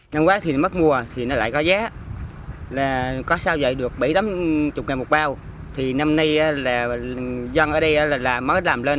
năm qua thì mất mua thì lại có giá